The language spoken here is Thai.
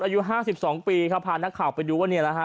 อายุ๕๒ปีครับพานักข่าวไปดูว่าเนี่ยนะฮะ